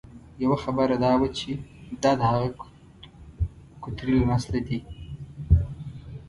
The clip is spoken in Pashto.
یوه خبره دا وه چې دا د هغه کوترې له نسله دي.